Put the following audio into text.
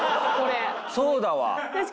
そうだわ！